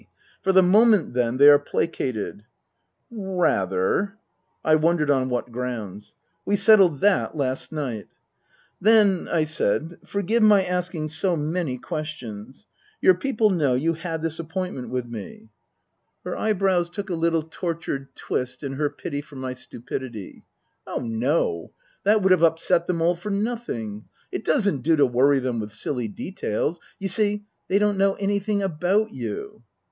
For the moment, then, they are placated ?"" Rather." (I wondered on what grounds.) " We settled that last night." ' Then " I said, " forgive my asking so many questions your people know you had this appointment with me ?" 16 Tasker Jevons Her eyebrows took a little tortured twist in her pity for my stupidity. " Oh, no. That would have upset them all for nothing. It doesn't do to worry them with silly details. You see, they don't know anything about you."